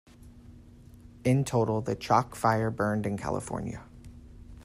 In total the Chalk Fire burned in California.